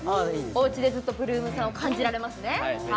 おうちでずっと８ＬＯＯＭさんを感じられますね。